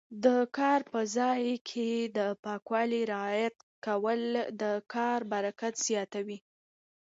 د کار په ځای کې د پاکوالي رعایت کول د کار برکت زیاتوي.